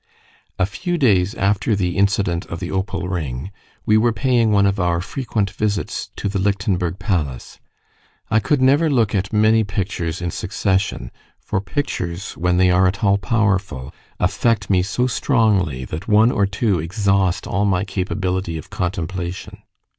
A few days after the incident of the opal ring, we were paying one of our frequent visits to the Lichtenberg Palace. I could never look at many pictures in succession; for pictures, when they are at all powerful, affect me so strongly that one or two exhaust all my capability of contemplation.